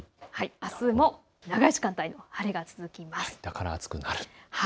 あすも長い時間帯晴れが続きます。